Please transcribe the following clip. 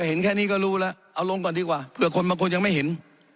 เห็นแค่นี้ก็รู้แล้วเอาลงก่อนดีกว่าเผื่อคนบางคนยังไม่เห็น